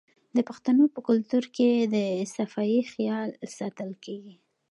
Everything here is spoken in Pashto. د پښتنو په کلتور کې د صفايي خیال ساتل کیږي.